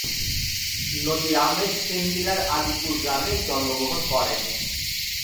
নজির আহমেদ ফেনী জেলার আলিপুর গ্রামে জন্মগ্রহণ করেন।